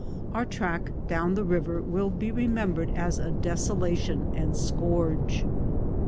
Our track down the river will be remem bered as a desolation and scourge.